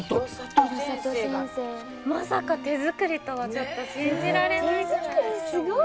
まさか手作りとはちょっと信じられないぐらい。